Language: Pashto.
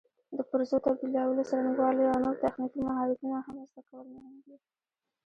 د پرزو تبدیلولو څرنګوالي او نور تخنیکي مهارتونه هم زده کول مهم دي.